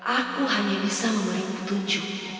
aku hanya bisa memberi ketujuh